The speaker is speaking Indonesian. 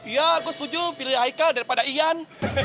ya gue setuju pilih aikal daripada ian